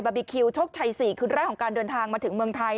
บีคิวโชคชัย๔คืนแรกของการเดินทางมาถึงเมืองไทย